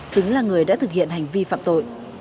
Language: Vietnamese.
chính là người đã thực hiện hành vi phạm tội